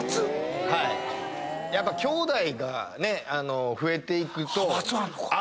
やっぱきょうだいが増えていくとあるんですよ。